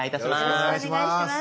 よろしくお願いします。